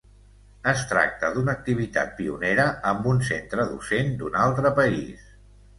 Es tracta d’una activitat pionera amb un centre docent d’un altre país.